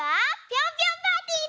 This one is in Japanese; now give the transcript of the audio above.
ピョンピョンパーティー？